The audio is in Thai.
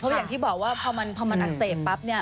เพราะอย่างที่บอกว่าพอมันอักเสบปั๊บเนี่ย